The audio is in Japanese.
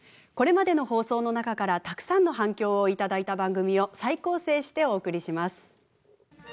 これまでの放送の中からたくさんの反響を頂いた番組を再構成してお送りします。